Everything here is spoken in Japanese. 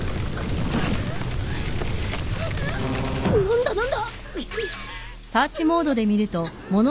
何だ何だ！？